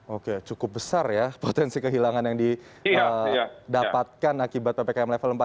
oke cukup besar ya potensi kehilangan yang didapatkan akibat ppkm level empat